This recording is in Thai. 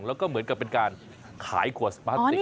แล้วก็เหมือนกับเป็นการขายขวดสปาร์ตี้